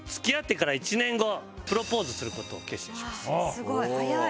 すごい！早い！